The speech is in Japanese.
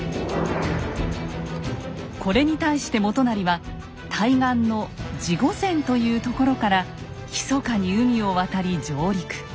これに対して元就は対岸の地御前という所からひそかに海を渡り上陸。